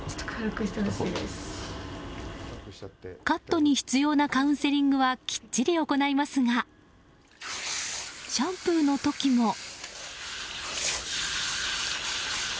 カットに必要なカウンセリングはきっちり行いますがシャンプーの時も。